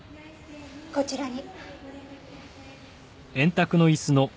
こちらに。